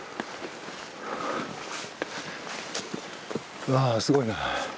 うわぁすごいな。